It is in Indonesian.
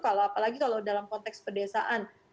kalau apalagi kalau dalam konteks pedesaan